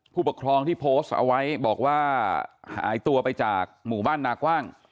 ผู้ปกครองที่โพสต์เอาไว้บอกว่าหายตัวไปจากหมู่บ้านนากว้าง